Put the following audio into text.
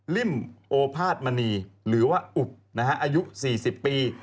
ลิ่มโอภาษมณีหรือว่าอุบนะฮะอายุสี่สิบปี